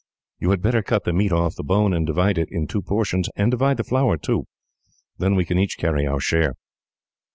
You had better cut the meat off the bone, and divide it in two portions; and divide the flour, too; then we can each carry our share."